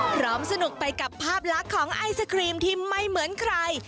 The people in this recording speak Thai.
สนุกไปกับภาพลักษณ์ของไอศครีมที่ไม่เหมือนใคร